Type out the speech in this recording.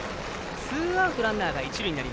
ツーアウト、ランナーが一塁。